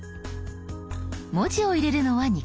文字を入れるのは２か所。